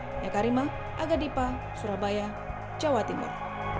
saya karima aga dipa surabaya jawa timur